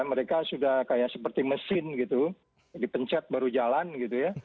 mereka sudah kayak seperti mesin gitu dipencet baru jalan gitu ya